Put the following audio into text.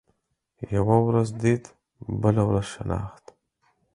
يوه ورځ ديد ، بله ورځ شناخت.